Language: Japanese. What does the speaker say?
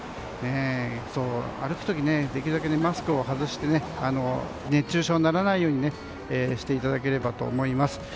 歩く時できるだけマスクを外して熱中症にならないようにしていただければと思います。